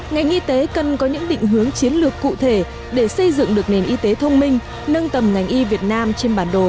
ngành y tế cần có những định hướng chiến lược cụ thể để xây dựng được nền y tế thông minh nâng tầm ngành y việt nam trên bản đồ y tế thế giới